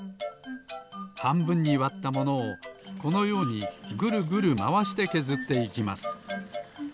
はんぶんにわったものをこのようにぐるぐるまわしてけずっていきます。